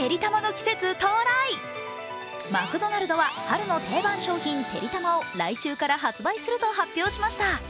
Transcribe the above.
マクドナルドは春の定番商品、てりたまを来週から発売すると発表しました。